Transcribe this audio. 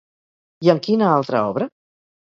I en quina altra obra?